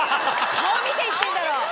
顔見て言ってんだろ。